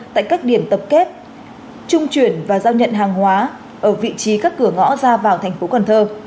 tại các điểm tập kết trung chuyển và giao nhận hàng hóa ở vị trí các cửa ngõ ra vào thành phố cần thơ